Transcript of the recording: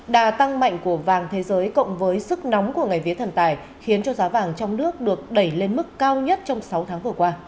đà tăng mạnh của vàng thế giới cộng với sức nóng của ngày vía thần tài khiến cho giá vàng trong nước được đẩy lên mức cao nhất trong sáu tháng vừa qua